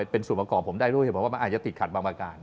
เป็นส่วนประกอบผมได้ด้วยเห็นบอกว่ามันอาจจะติดขัดบางประการ